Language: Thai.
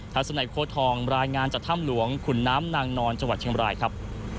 ัศนัยโค้ทองรายงานจากถ้ำหลวงขุนน้ำนางนอนจังหวัดเชียงบรายครับ